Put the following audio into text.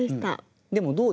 でもどうですか？